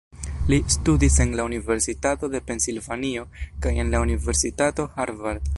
Li studis en la Universitato de Pensilvanio kaj en la Universitato Harvard.